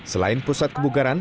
selain pusat kebugaran